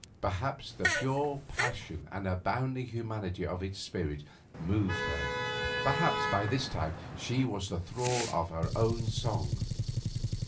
Perhaps the pure passion and abounding humanity of its spirit moved her. Perhaps by this time she was the thrall of her own song.